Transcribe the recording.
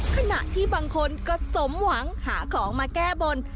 ขณะที่บางคนก็สมหวังหาของมาแก้บน